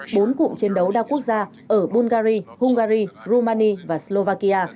bốn cụm chiến đấu đa quốc gia ở bungary hungary rumani và slovakia